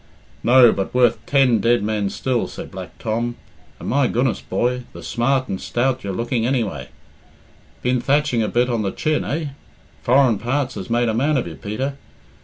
"No, but worth ten dead men still," said Black Tom. "And my goodness, boy, the smart and stout you're looking, anyway. Been thatching a bit on the chin, eh? Foreign parts has made a man of you, Peter.